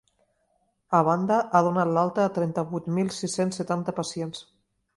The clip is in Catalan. A banda, ha donat l’alta a trenta-vuit mil sis-cents setanta pacients.